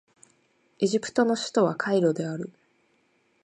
エジプトの首都はカイロである